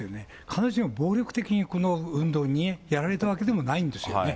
必ずしも暴力的にこの運動にやられたわけでもないんですよね。